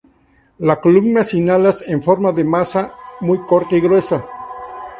La columna sin alas, en forma de maza, muy corta y gruesa.